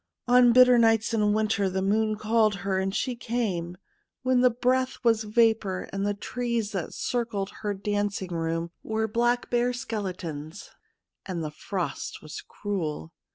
On bitter nights in winter the moon called her and she came, when the breath was vapour, and the trees that circled her dancing room were black bare skeletons, and the frost was cruel.